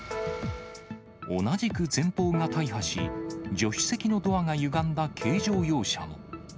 同じく前方が大破し、助手席のドアがゆがんだ軽乗用車も。